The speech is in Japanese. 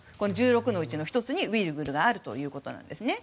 １６のうちの１つにウイグルが含まれているということです。